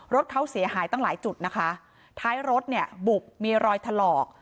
รถเขาเสียหายตั้งหลายจุดนะคะท้ายรถเนี่ยบุบมีรอยถลอก